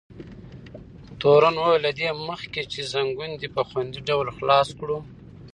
تورن وویل: له دې مخکې چې ځنګون دې په خوندي ډول خلاص کړو.